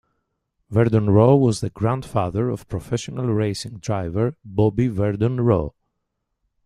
Verdon Roe was the grandfather of professional racing driver Bobby Verdon-Roe.